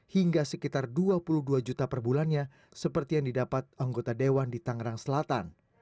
hingga sekitar dua puluh dua juta per bulannya seperti yang didapat anggota dewan di tangerang selatan